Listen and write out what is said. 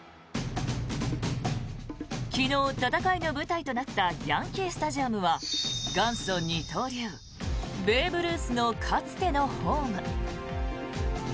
昨日、戦いの舞台となったヤンキー・スタジアムは元祖二刀流、ベーブ・ルースのかつてのホーム。